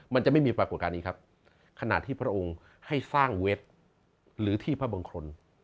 มันจะไม่มีปรากฏการณ์นี้ครับขณะที่พระองค์ให้สร้างเว็บหรือที่พระบังคล